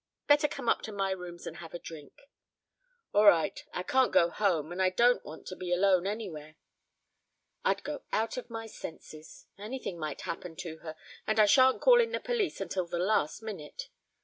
Better come up to my rooms and have a drink." "Orright. I can't go home and I don't want to be alone anywhere. I'd go out of my senses. Anything might happen to her, and I shan't call in the police until the last minute.